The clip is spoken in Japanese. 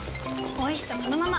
おいしさそのまま。